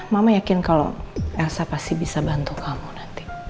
mama yakin kalau elsa pasti bisa bantu kamu nanti